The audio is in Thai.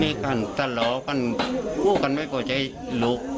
มีความสะล้อความกลัวกันไม่โปรดใจหลุก